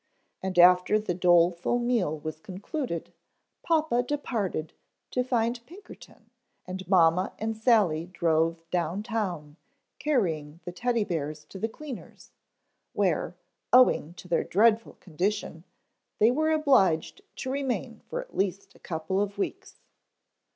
And after the doleful meal was concluded papa departed to find Pinkerton and mamma and Sally drove down town carrying the Teddy Bears to the cleaners, where, owing to their dreadful condition, they were obliged to remain for at least a couple of weeks.